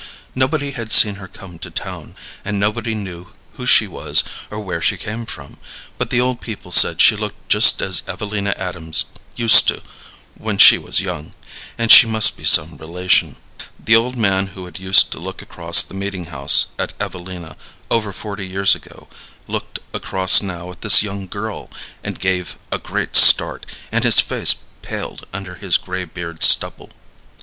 Nobody had seen her come to town, and nobody knew who she was or where she came from, but the old people said she looked just as Evelina Adams used to when she was young, and she must be some relation. The old man who had used to look across the meeting house at Evelina, over forty years ago, looked across now at this young girl, and gave a great start, and his face paled under his gray beard stubble.